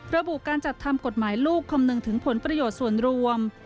ระบุการจัดทำกฎหมายลูกคำนึงถึงผลประโยชน์ส่วนรวม